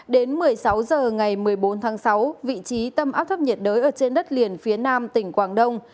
đến một mươi sáu h ngày một mươi bốn tháng sáu vị trí tâm áp thấp nhiệt đới ở trên đất liền phía nam tỉnh quảng đông